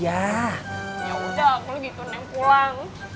yaudah aku lagi ke neng pulang